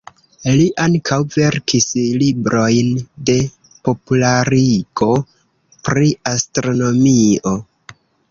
Li ankaŭ verkis librojn de popularigo pri astronomio.